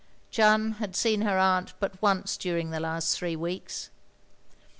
Jeanne had seen her aunt but once during the last three weeks.